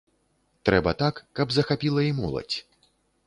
Трэба так, каб захапіла і моладзь.